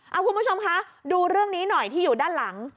เอาคุณผู้ชมคะดูเรื่องนี้หน่อยที่อยู่ด้านหลัง